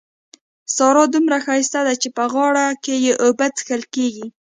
سارا دومره ښايسته ده چې په غاړه کې يې اوبه څښل کېږي.